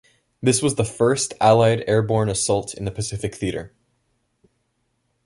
This was the first Allied airborne assault in the Pacific Theater.